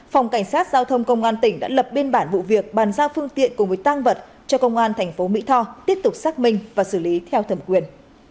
phòng cảnh sát giao thông công an tỉnh đã lập biên bản vụ việc bàn giao phương tiện cùng với tăng vật cho công an tp mỹ tho tiếp tục xác minh và xử lý theo thẩm quyền